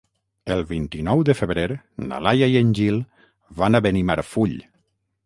El vint-i-nou de febrer na Laia i en Gil van a Benimarfull.